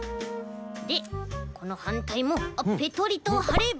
でこのはんたいもあっペトリとはれば。